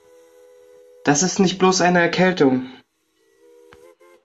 Das ist nicht bloß eine Erkältung.